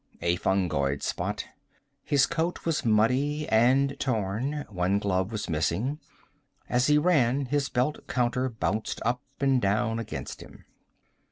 A fungoid spot. His coat was muddy and torn. One glove was missing. As he ran his belt counter bounced up and down against him.